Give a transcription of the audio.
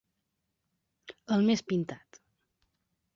El més pintat.